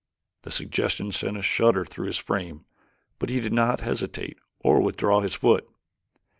The suggestion sent a shudder through his frame but he did not hesitate or withdraw his foot.